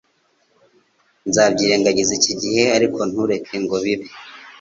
Nzabyirengagiza iki gihe, ariko ntureke ngo bibe.